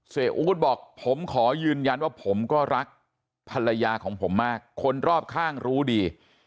อู๊ดบอกผมขอยืนยันว่าผมก็รักภรรยาของผมมากคนรอบข้างรู้ดี